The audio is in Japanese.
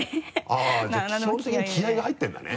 あぁじゃあ基本的に気合が入ってるんだね。